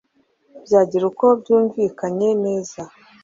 byagira uko byumvikanye neza